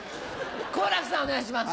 好楽さんお願いします。